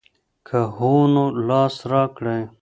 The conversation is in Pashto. که هو نو لاس راکړئ.